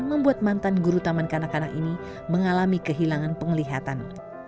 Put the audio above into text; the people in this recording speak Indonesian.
membuat mantan guru taman kanak kanak ini mengalami kehilangan penglihatan